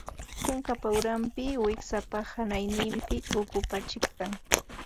Kunkapa uranpi, wiksapa hanayninpi ukupa chiqtan